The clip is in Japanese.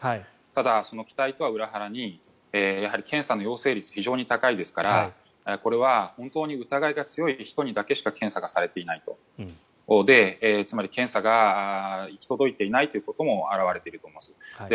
ただ、その期待とは裏腹に検査の陽性率が非常に高いですからこれは本当に疑いが強い人にだけしか検査がされていないと。つまり検査が行き届いていないということも表れていると思います。